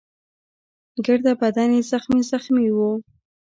ګرده بدن يې زخمي زخمي وو.